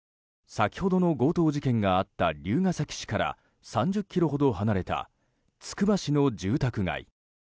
先ほどの強盗事件があった龍ケ崎市から３０ｋｍほど離れたつくば市の住宅街。